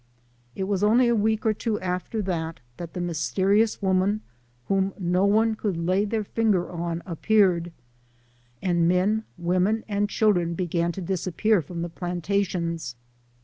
It was only a week or two after that, that the mysterious woman whom no one could lay their finger on ap peared, and men, women, and children began to disappear from the plantations.